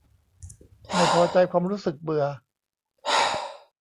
ไม่พอใจความรู้สึกเบื่อ